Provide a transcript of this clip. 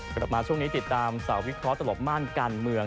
กลับมาช่วงนี้ติดตามสาววิเคราะหลบม่านการเมือง